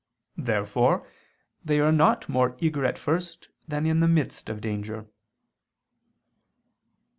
Therefore they are not more eager at first than in the midst of danger.